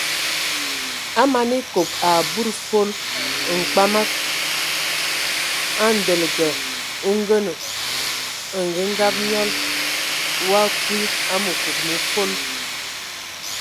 A man ekob a budi fol, mkpamag ndaləga o ngənə angəngab nyɔl,o akwi a məkug mə fol.